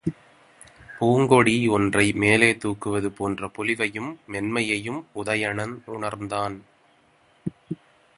பூங்கொடி ஒன்றை மேலே தூக்குவது போன்ற பொலிவையும் மென்மையையும் உதயணன் உணர்ந்தான்.